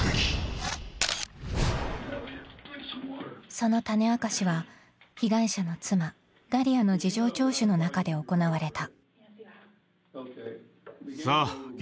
［その種明かしは被害者の妻ダリアの事情聴取の中で行われた］